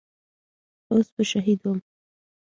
اوس به شهيد وم.